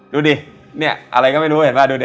ดูดิเนี่ยอะไรก็ไม่รู้เห็นป่ะดูดิ